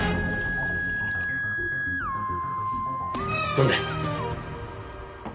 飲んで。